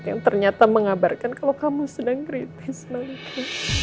yang ternyata mengabarkan kalau kamu sedang kritis nanti